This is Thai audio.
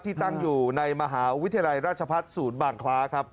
ที่ตั้งอยู่ในมหาวิทยาลัยราชพัฒน์ศูนย์บางคล้าครับ